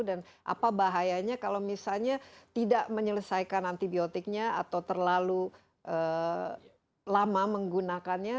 dan apa bahayanya kalau misalnya tidak menyelesaikan antibiotiknya atau terlalu lama menggunakannya